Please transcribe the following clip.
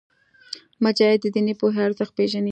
مجاهد د دیني پوهې ارزښت پېژني.